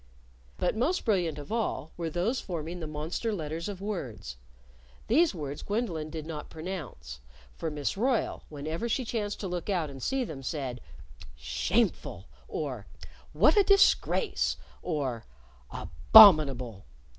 But most brilliant of all were those forming the monster letters of words. These words Gwendolyn did not pronounce. For Miss Royle, whenever she chanced to look out and see them, said "Shameful!" or "What a disgrace!" or "Abominable!"